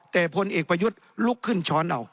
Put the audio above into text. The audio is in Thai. แต่พลเอกประยุทธ์ลุกขึ้นช้อนเอา